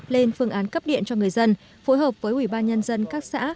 lên phương án cấp điện cho người dân phối hợp với ủy ban nhân dân các xã